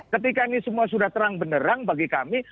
ketika ini semua sudah terang benerang bagi kami